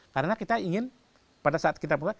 karena kita ingin pada saat kita berubah